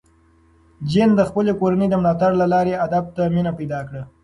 جین د خپلې کورنۍ د ملاتړ له لارې ادب ته مینه پیدا کړه.